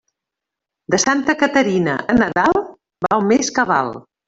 De Santa Caterina a Nadal va un mes cabal.